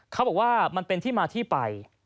เขาบอกว่ามันเป็นที่มาที่ไป